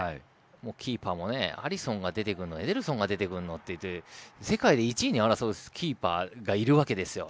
キーパーもアリソンが出てくるのエデルソンが出てくるのって世界で１位２位を争うキーパーが出てくるわけですよ。